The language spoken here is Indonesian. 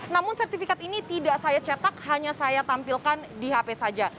namun sertifikat ini tidak saya cetak hanya saya tampilkan di hp saja